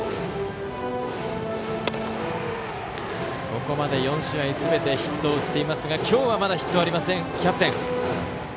ここまで４試合すべてヒットを打っていますが今日はまだヒットがありませんキャプテン。